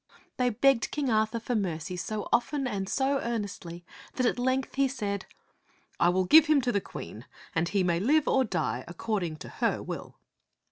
They begged King Arthur for mercy so often and so earnestly that at length he said, " I will give him to the Queen, and he may live or die according to her will."